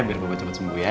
biar papa cepet sembuh ya